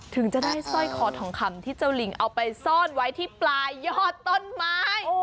ถึงจะได้สร้อยคอทองคำที่เจ้าลิงเอาไปซ่อนไว้ที่ปลายยอดต้นไม้